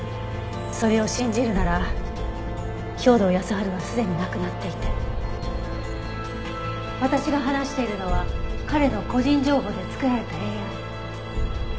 それを信じるなら兵働耕春はすでに亡くなっていて私が話しているのは彼の個人情報で作られたＡＩ。